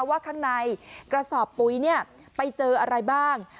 ว่าข้างในกระสอบปุ๋ยไปเจออะไรบ้าง